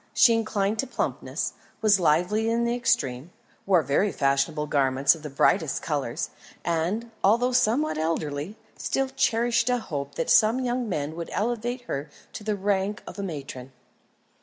She inclined to plumpness, was lively in the extreme, wore very fashionable garments of the brightest colours, and although somewhat elderly still cherished a hope that some young man would elevate her to the rank of a matron.